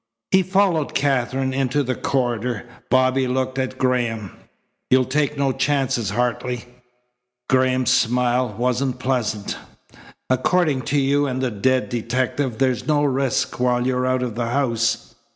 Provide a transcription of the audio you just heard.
He followed Katherine into the corridor. Bobby looked at Graham. "You'll take no chances, Hartley?" Graham's smile wasn't pleasant. "According to you and the dead detective there's no risk while you're out of the house.